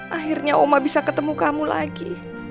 akhirnya oma bisa ketemu kamu lagi